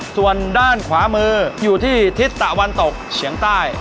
ส่วนด้านขวามืออยู่ที่ทิศตะวันตกเฉียงใต้